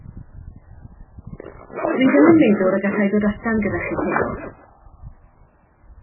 Dw i ddim yn meddwl y galla i ddod allan gyda chi heno.